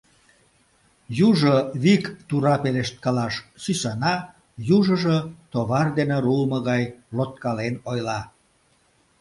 Южо вик тура пелешткалаш сӱсана, южыжо товар дене руымо гай лодкален ойла.